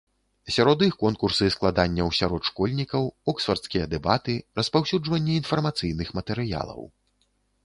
Сярод іх конкурсы складанняў сярод школьнікаў, оксфардскія дэбаты, распаўсюджванне інфармацыйных матэрыялаў.